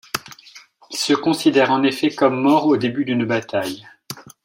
Il se considèrent en effet comme mort au début d'une bataille.